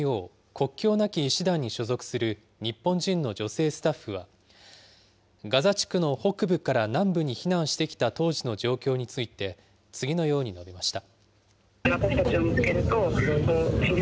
国境なき医師団に所属する日本人の女性スタッフは、ガザ地区の北部から南部に避難してきた当時の状況について、次のように述べました。